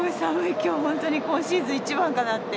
きょう本当に今シーズン一番かなって。